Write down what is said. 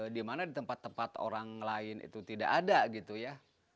dimana di tempat tempat orang lain itu tidak ada gitu ya